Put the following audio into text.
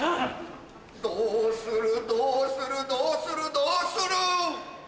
どうするどうするどうするどうする。